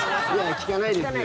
聞かないですか？